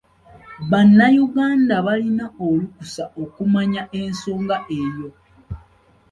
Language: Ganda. Bannayuganda balina olukusa okumanya ensonga eyo.